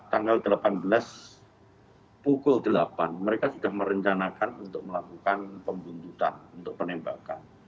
tanggal delapan belas pukul delapan mereka sudah merencanakan untuk melakukan pembuntutan untuk penembakan